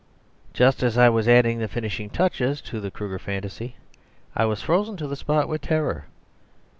Just as I was adding the finishing touches to the Kruger fantasy, I was frozen to the spot with terror.